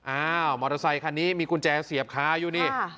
อ้าวมอเตอร์ไซคันนี้มีกุญแจเสียบคาอยู่นี่